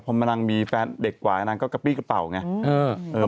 พอมานางมีแฟนเด็กกว่านางก็กระปี้กระเป๋าไง